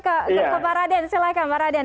ke pak raden silakan pak raden